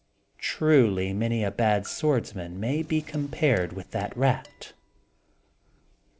Truly, many a bad swordsman may be compared with that rat!